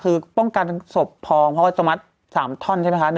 คือป้องกันศพพองเพราะว่าจะมัด๓ท่อนใช่ไหมคะ